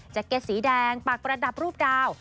เก็ตสีแดงปากประดับรูปดาว